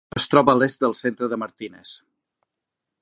Es troba a l'est del centre de Martinez.